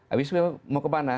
abis itu mau kemana